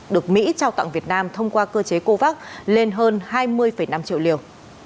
được mỹ trao tặng việt nam thông qua cơ chế covax lên hơn hai mươi năm triệu liều